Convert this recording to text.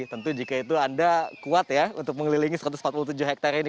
tentu jika itu anda kuat ya untuk mengelilingi satu ratus empat puluh tujuh hektare ini